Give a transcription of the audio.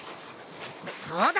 そうだ！